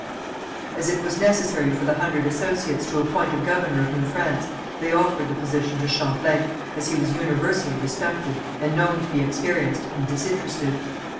As it was necessary for the Hundred Associates to appoint a governor of New France, they offered the position to Champlain, as he was universally respected and known to be experienced and disinterested.